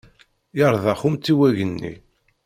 Yerdex umtiweg-nni.